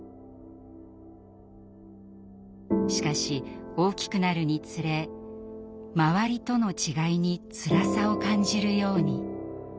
しかし大きくなるにつれ周りとの違いにつらさを感じるように。